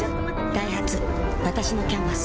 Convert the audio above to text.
ダイハツわたしの「キャンバス」